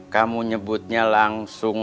kamu nyebutnya langsung